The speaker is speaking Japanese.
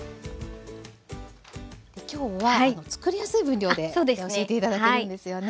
今日は作りやすい分量で教えて頂けるんですよね。